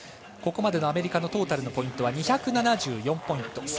ここまでのアメリカのトータルのポイントは２７４ポイント。